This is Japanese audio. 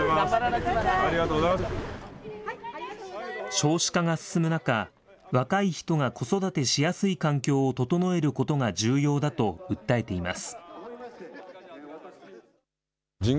少子化が進む中、若い人が子育てしやすい環境を整えることが重要だと訴えています。